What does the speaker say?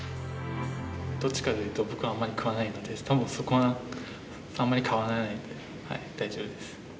どっちかっていうと僕はあまり食わないので多分そこはあんまり変わらないんで大丈夫です。